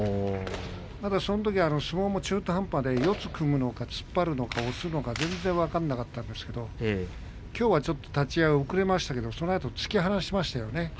まだそのときは相撲も中途半端で四つに組むのか突っ張るのか押すのか全然分からなかったんですけれどきょうはちょっと立ち合い遅れましたけれどもそのあと突き放しましたよね。